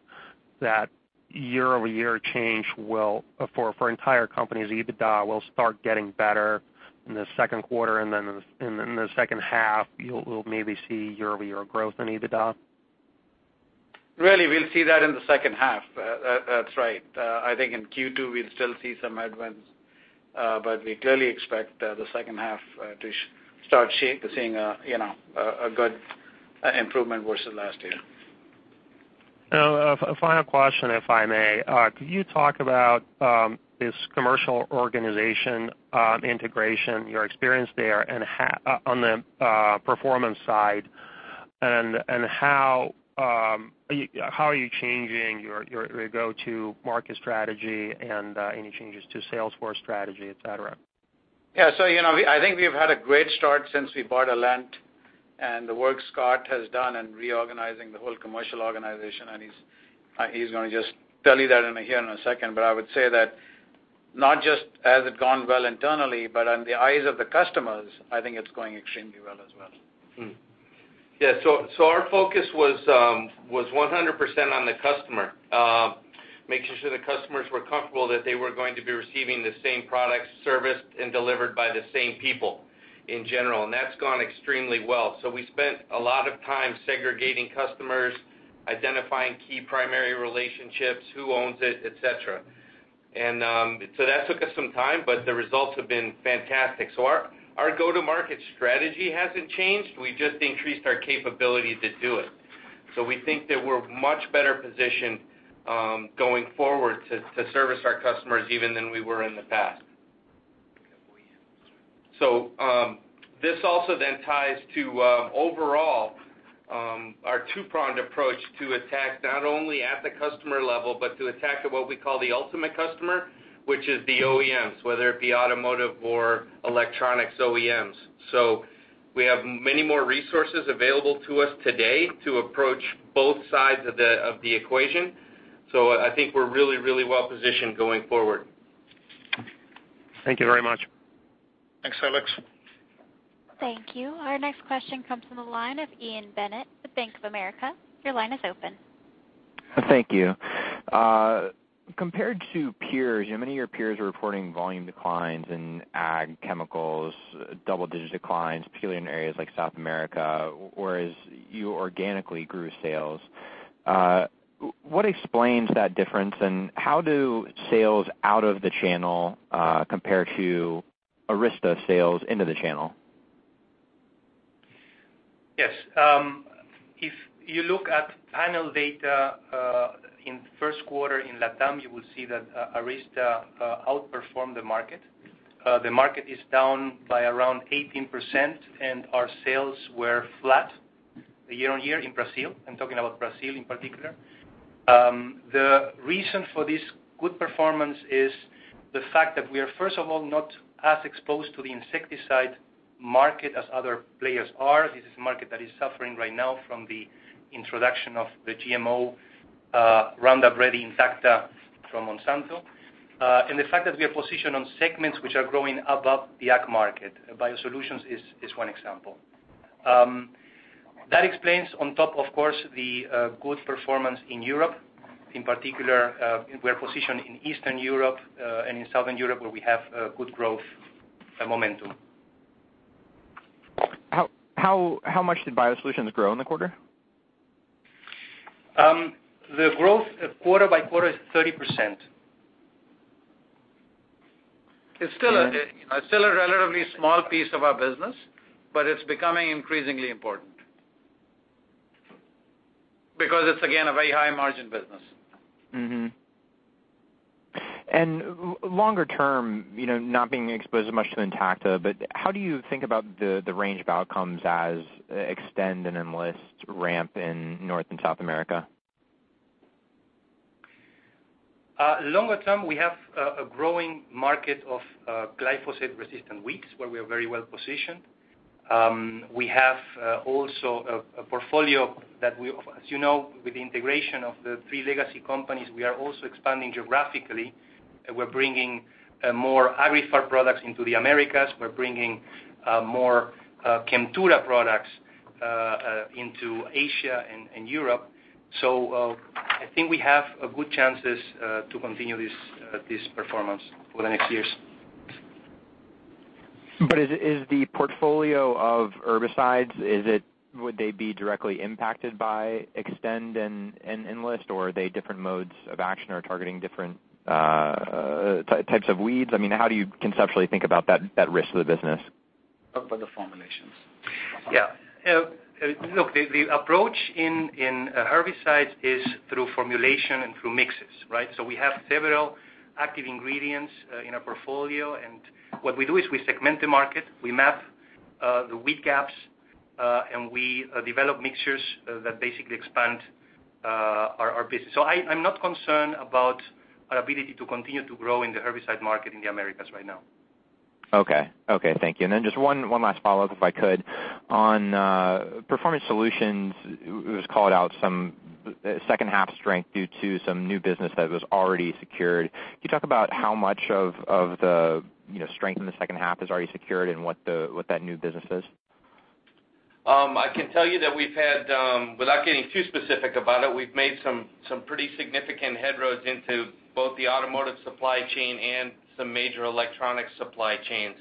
that year-over-year change for entire company's EBITDA will start getting better in the second quarter, and then in the second half, you'll maybe see year-over-year growth in EBITDA? Really, we'll see that in the second half. That's right. I think in Q2, we'll still see some headwinds, but we clearly expect the second half to start seeing a good improvement versus last year. A final question, if I may. Could you talk about this commercial organization integration, your experience there on the performance side, and how are you changing your go-to-market strategy and any changes to sales force strategy, et cetera? Yeah. I think we've had a great start since we bought Alent The work Scot has done in reorganizing the whole commercial organization, and he's going to just tell you that here in a second, but I would say that not just has it gone well internally, but in the eyes of the customers, I think it's going extremely well as well. Yeah. Our focus was 100% on the customer, making sure the customers were comfortable that they were going to be receiving the same products, serviced, and delivered by the same people in general, and that's gone extremely well. We spent a lot of time segregating customers, identifying key primary relationships, who owns it, et cetera. That took us some time, but the results have been fantastic. Our go-to-market strategy hasn't changed. We just increased our capability to do it. We think that we're much better positioned, going forward, to service our customers even than we were in the past. This also then ties to, overall, our two-pronged approach to attack not only at the customer level but to attack at what we call the ultimate customer, which is the OEMs, whether it be automotive or electronics OEMs. We have many more resources available to us today to approach both sides of the equation. I think we're really well-positioned going forward. Thank you very much. Thanks, Alek. Thank you. Our next question comes from the line of Ian Bennett with Bank of America. Your line is open. Thank you. Compared to peers, many of your peers are reporting volume declines in ag chemicals, double-digit declines, particularly in areas like South America, whereas you organically grew sales. What explains that difference, and how do sales out of the channel compare to Arysta sales into the channel? Yes. If you look at panel data in the first quarter in LATAM, you will see that Arysta outperformed the market. The market is down by around 18%, and our sales were flat year-on-year in Brazil. I'm talking about Brazil in particular. The reason for this good performance is the fact that we are, first of all, not as exposed to the insecticide market as other players are. This is a market that is suffering right now from the introduction of the GMO Roundup Ready Intacta from Monsanto. The fact that we are positioned on segments which are growing above the ag market. BioSolutions is one example. That explains, on top of course, the good performance in Europe. In particular, we are positioned in Eastern Europe, and in Southern Europe, where we have good growth momentum. How much did BioSolutions grow in the quarter? The growth quarter by quarter is 30%. It's still a relatively small piece of our business, but it's becoming increasingly important. Because it's, again, a very high-margin business. Longer term, not being exposed as much to Intacta, but how do you think about the range of outcomes as Xtend and Enlist ramp in North and South America? Longer term, we have a growing market of glyphosate-resistant weeds, where we are very well-positioned. We have also a portfolio that we, as you know, with the integration of the three legacy companies, we are also expanding geographically. We're bringing more Agriphar products into the Americas. We're bringing more Chemtura products into Asia and Europe. I think we have good chances to continue this performance for the next years. Is the portfolio of herbicides, would they be directly impacted by Xtend and Enlist, or are they different modes of action or targeting different types of weeds? How do you conceptually think about that risk to the business? How about the formulations? Yeah. Look, the approach in herbicides is through formulation and through mixes. We have several active ingredients in our portfolio, and what we do is we segment the market, we map the weed gaps, and we develop mixtures that basically expand our business. I'm not concerned about our ability to continue to grow in the herbicide market in the Americas right now. Okay. Thank you. Then just one last follow-up, if I could. On Performance Solutions, it was called out some second half strength due to some new business that was already secured. Can you talk about how much of the strength in the second half is already secured and what that new business is? I can tell you that we've had, without getting too specific about it, we've made some pretty significant head roads into both the automotive supply chain and some major electronic supply chains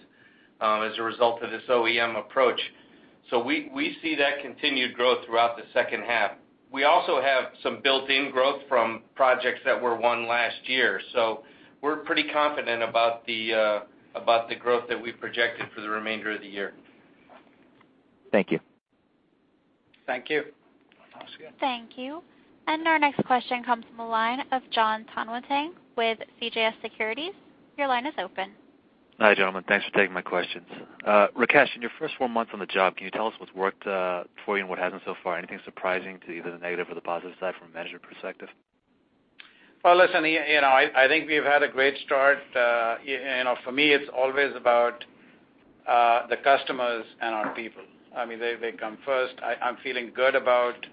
as a result of this OEM approach. We see that continued growth throughout the second half. We also have some built-in growth from projects that were won last year. We're pretty confident about the growth that we've projected for the remainder of the year. Thank you. Thank you. Awesome. Thank you. Our next question comes from the line of Jonathan Tanwanteng with CJS Securities. Your line is open. Hi, gentlemen. Thanks for taking my questions. Rakesh, in your first four months on the job, can you tell us what's worked for you and what hasn't so far? Anything surprising to either the negative or the positive side from a measure perspective? Well, listen, I think we've had a great start. For me, it's always about the customers and our people. They come first. I'm feeling good about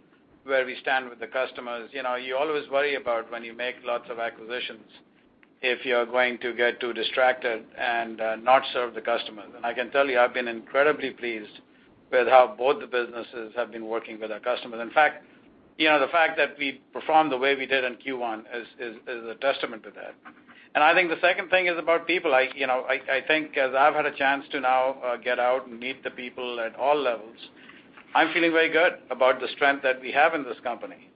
where we stand with the customers. You always worry about when you make lots of acquisitions, if you're going to get too distracted and not serve the customers. I can tell you, I've been incredibly pleased with how both the businesses have been working with our customers. In fact, the fact that we performed the way we did in Q1 is a testament to that. I think the second thing is about people. I think as I've had a chance to now get out and meet the people at all levels, I'm feeling very good about the strength that we have in this company.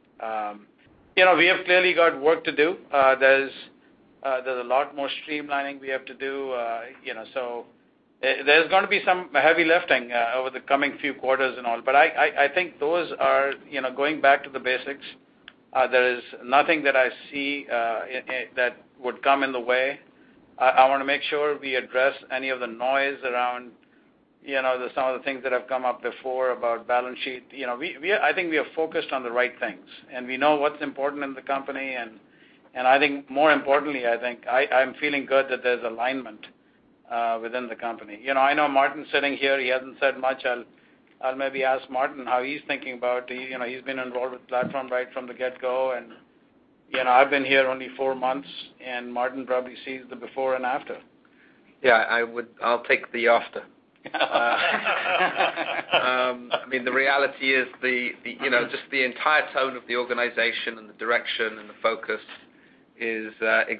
We have clearly got work to do. There's a lot more streamlining we have to do. There's going to be some heavy lifting over the coming few quarters and all. I think those are going back to the basics. There is nothing that I see that would come in the way. I want to make sure we address any of the noise around some of the things that have come up before about balance sheet. I think we are focused on the right things, and we know what's important in the company. I think more importantly, I think I'm feeling good that there's alignment within the company. I know Martin sitting here, he hasn't said much. I'll maybe ask Martin how he's thinking about it. He's been involved with Platform right from the get-go, and I've been here only four months, and Martin probably sees the before and after. I'll take the after. The reality is just the entire tone of the organization and the direction and the focus is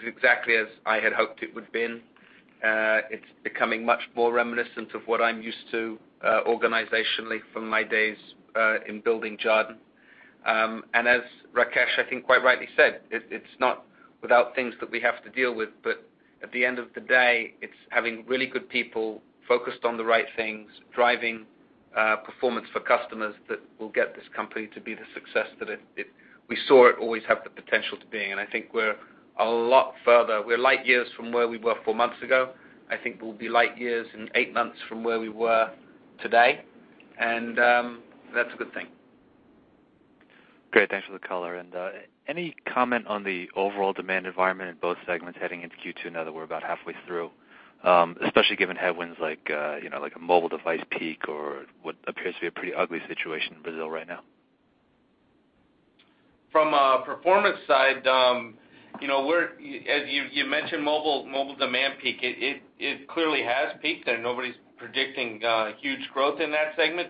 exactly as I had hoped it would have been. It's becoming much more reminiscent of what I'm used to organizationally from my days in building Jarden. As Rakesh, I think, quite rightly said, it's not without things that we have to deal with, but at the end of the day, it's having really good people focused on the right things, driving performance for customers that will get this company to be the success that we saw it always have the potential to be in. I think we're a lot further. We're light years from where we were four months ago. I think we'll be light years in eight months from where we were today, and that's a good thing. Great. Thanks for the color. Any comment on the overall demand environment in both segments heading into Q2 now that we're about halfway through, especially given headwinds like a mobile device peak or what appears to be a pretty ugly situation in Brazil right now? From a performance side, as you mentioned, mobile demand peak, it clearly has peaked, and nobody's predicting huge growth in that segment.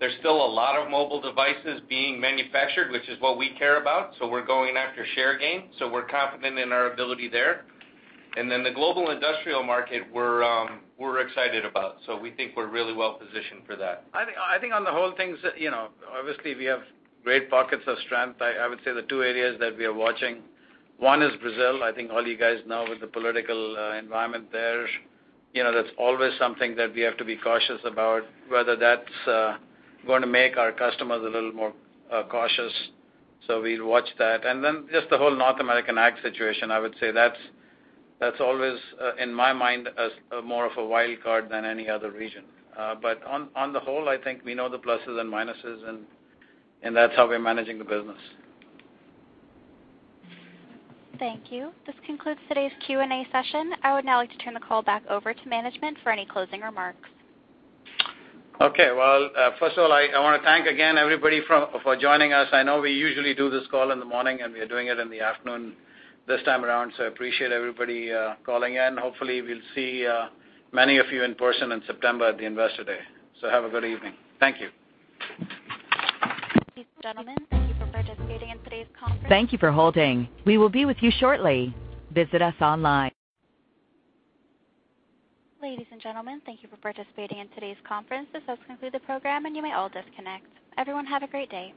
There's still a lot of mobile devices being manufactured, which is what we care about, so we're going after share gain. We're confident in our ability there. The global industrial market, we're excited about, so we think we're really well-positioned for that. I think on the whole things, obviously, we have great pockets of strength. I would say the two areas that we are watching, one is Brazil. I think all you guys know with the political environment there, that's always something that we have to be cautious about, whether that's going to make our customers a little more cautious. We watch that. Just the whole North American ag situation, I would say that's always, in my mind, as more of a wild card than any other region. On the whole, I think we know the pluses and minuses, and that's how we're managing the business. Thank you. This concludes today's Q&A session. I would now like to turn the call back over to management for any closing remarks. Okay. Well, first of all, I want to thank again everybody for joining us. I know we usually do this call in the morning. We are doing it in the afternoon this time around. I appreciate everybody calling in. Hopefully, we'll see many of you in person in September at the Investor Day. Have a good evening. Thank you. Ladies and gentlemen, thank you for participating in today's conference. Thank you for holding. We will be with you shortly. Visit us online. Ladies and gentlemen, thank you for participating in today's conference. This does conclude the program, and you may all disconnect. Everyone, have a great day.